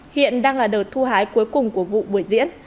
hiện đang là đợt thu hái cuối cùng của vụ buổi diễn